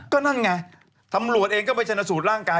ก็นั่นไงตำรวจเองก็ไปชนสูตรร่างกาย